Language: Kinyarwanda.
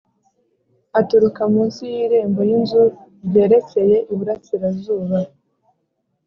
Aturuka munsi y’irembo ry’Inzu ryerekeye iburasirazuba